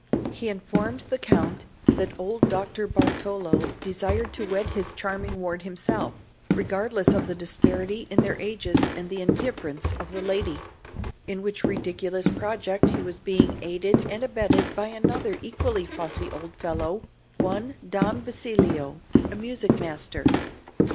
He informed the Count that old Dr. Bartolo desired to wed his charming ward himself, regardless of the disparity in their ages and the indifference of the lady; in which ridiculous project he was being aided and abetted by another equally fussy old fellow, one Don Basilio, a music master.